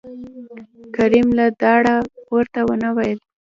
کريم له ډاره ورته ونه ويل